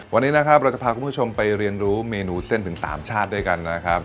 วันนี้นะครับเราจะพาคุณผู้ชมไปเรียนรู้เมนูเส้นถึง๓ชาติด้วยกันนะครับ